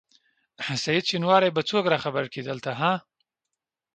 سعید شېنواری به څوک راخبر کړي دلته ها؟